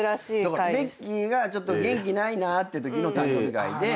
ベッキーがちょっと元気ないなってときの誕生日会で。